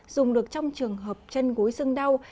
dùng được trong trường hợp chân gúi xương đau